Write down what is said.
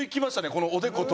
このおでこと。